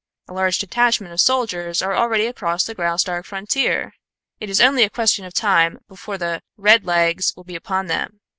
A large detachment of soldiers are already across the Graustark frontier. It is only a question of time before the 'red legs' will be upon them.